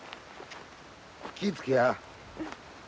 気ぃ付けや。